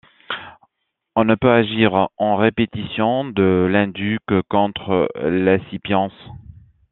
On ne peut agir en répétition de l'indu que contre l'accipiens.